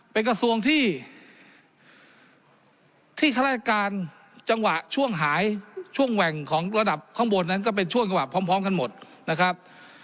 เป็นกระทรวงที่ข้าราชการจังหวะช่วงหายช่วงแหว่งของระดับข้างบนนั้นก็เป็นช่วงจังหวะพร้อมกันหมดนะครับ